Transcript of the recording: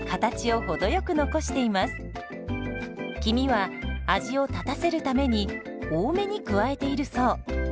黄身は味を立たせるために多めに加えているそう。